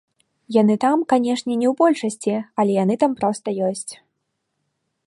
Яны там, канешне, не ў большасці, але яны там проста ёсць.